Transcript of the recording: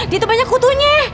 di itu banyak kutunya